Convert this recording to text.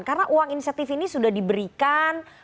karena uang insentif ini sudah diberikan